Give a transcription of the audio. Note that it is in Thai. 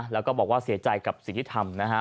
และก็บอกว่าเสียใจอยู่กับสิ่งที่ทำ